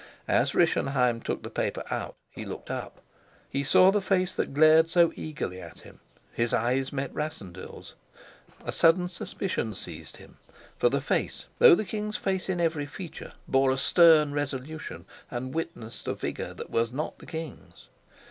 As Rischenheim took the paper out, he looked up. He saw the face that glared so eagerly at him; his eyes met Rassendyll's: a sudden suspicion seized him, for the face, though the king's face in every feature, bore a stern resolution and witnessed a vigor that were not the king's.